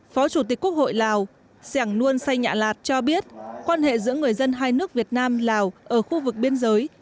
phó chủ tịch quốc hội lào sẻng luân say nhạ lạt cho biết quan hệ giữa người dân hai nước việt nam lào ở khu vực biên giới